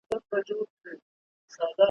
اوس له تسپو او استغفاره سره نه جوړیږي ,